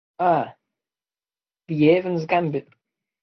Ah, the Evans Gambit!